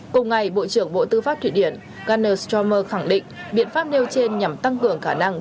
cùng ngày bộ trưởng bộ tư pháp thụy điển guner strammer khẳng định biện pháp nêu trên nhằm tăng cường khả năng